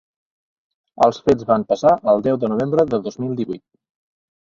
Els fets van passar el deu de novembre de dos mil divuit.